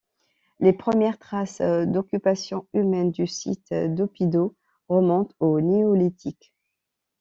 Les premières traces d’occupation humaine du site d'Oppido remontent au néolithique.